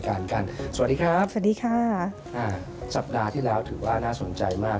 อ่าสัปดาห์ที่แล้วถือว่าน่าสนใจมาก